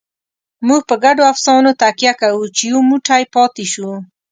موږ په ګډو افسانو تکیه کوو، چې یو موټی پاتې شو.